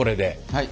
はい。